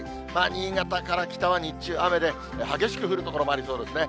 新潟から北は日中雨で、激しく降る所もありそうですね。